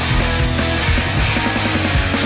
ส่วนยังแบร์ดแซมแบร์ด